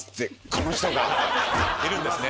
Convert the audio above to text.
この人が。いるんですね。